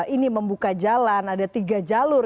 ini membuka jalan ada tiga jalur